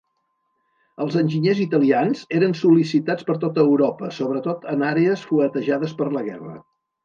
Els enginyers italians eren sol·licitats per tota Europa, sobretot en àrees fuetejades per la guerra.